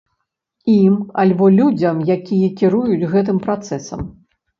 Ім альбо людзям, якія кіруюць гэтым працэсам.